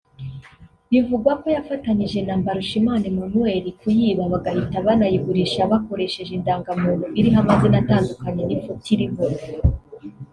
bivugwa ko yafatanyije na Mbarushimana Emmanuel kuyiba bagahita banayigurisha bakoresheje indangamuntu iriho amazina atandukanye n’ifoto iriho